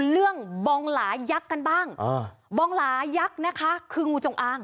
เรื่องบองหลายัฐกันบ้างอ้อบองหลายักษ์นะคะคือโงว์จงอ้าง